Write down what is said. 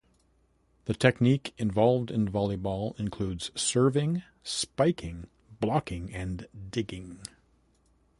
The technique involved in volleyball includes serving, spiking, blocking, and digging.